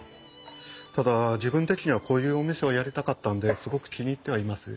ただ自分的にはこういうお店をやりたかったんですごく気に入ってはいます。